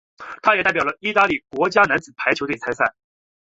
他也代表意大利国家男子排球队参赛。